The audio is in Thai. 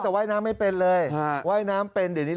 แต่ว่ายน้ำไม่เป็นเลยว่ายน้ำเป็นเดี๋ยวนี้